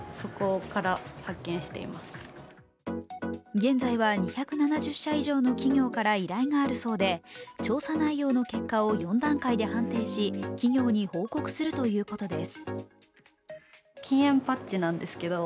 現在は２７０社以上の企業から依頼があるそうで調査内容の結果を４段階で判定し、企業に報告するということです。